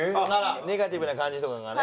ネガティブな感じとかがね。